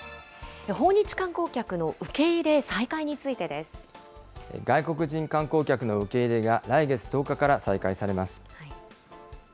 訪日観光客の受け入れ再開につい外国人観光客の受け入れが、来月１０日から再開されます。